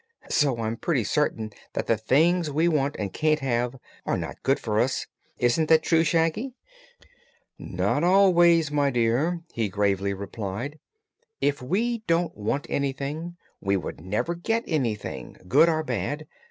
So I'm pretty certain that the things we want, and can't have, are not good for us. Isn't that true, Shaggy?" "Not always, my dear," he gravely replied. "If we didn't want anything, we would never get anything, good or bad.